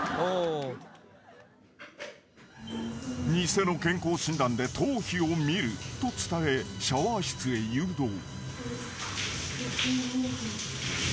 ［偽の健康診断で頭皮を見ると伝えシャワー室へ誘導］